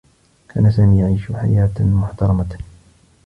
كان سامي يعيش حياة محترمة.